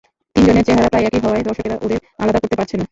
তিনজনের চেহারা প্রায় একই হওয়ায় দর্শকেরা ওদের আলাদা করতে পারছে না।